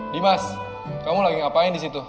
dimas kamu lagi ngapain di situ